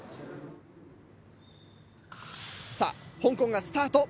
さあ香港がスタート。